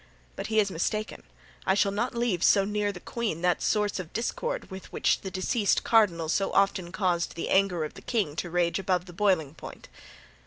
But he is mistaken; I shall not leave so near the queen that source of discord with which the deceased cardinal so often caused the anger of the king to rage above the boiling point."